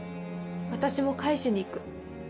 私も返しに行く。